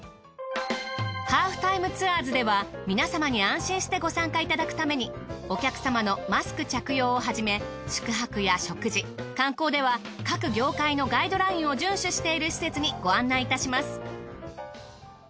『ハーフタイムツアーズ』では皆様に安心してご参加いただくためにお客様のマスク着用をはじめ宿泊や食事観光では各業界のガイドラインを順守している施設にご案内いたします。